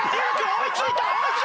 追いついた！